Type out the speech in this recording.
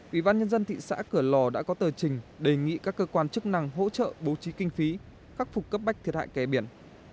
ủy ban nhân dân thị xã cửa lò đã có tờ trình đề nghị các cơ quan chức năng hỗ trợ bố trí kinh phí khắc phục cấp bách thiệt hại kè biển